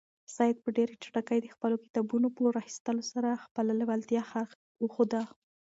سعید په ډېرې چټکۍ د خپلو کتابونو په راخیستلو سره خپله لېوالتیا وښوده.